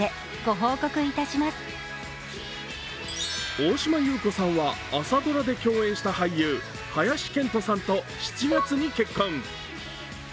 大島優子さんは朝ドラで共演した俳優・林遣都さんと７月に結婚。